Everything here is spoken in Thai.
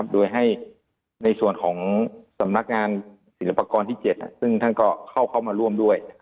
โดยให้ในส่วนของสำนักงานศิลปากรที่๗ซึ่งท่านก็เข้ามาร่วมด้วย